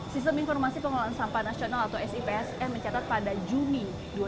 sistem informasi pengolahan sampah nasional atau spsm mencatat pada juni